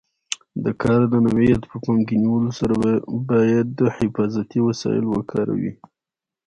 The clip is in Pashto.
د کار د نوعیت په پام کې نیولو سره باید حفاظتي وسایل وکاروي.